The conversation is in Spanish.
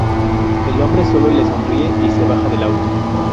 El hombre sólo le sonríe y se baja del auto.